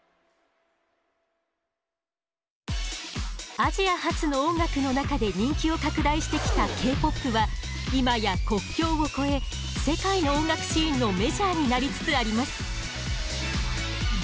アジア発の音楽の中で人気を拡大してきたＫ−ＰＯＰは今や国境を越え世界の音楽シーンのメジャーになりつつあります。